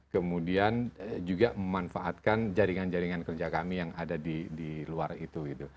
kemudian juga memanfaatkan jaringan jaringan kerja kami yang ada di luar itu